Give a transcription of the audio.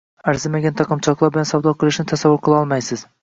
Arzimagan taqinchoqlar bilan savdo qilishlarini tasavvur qilolmaysiz.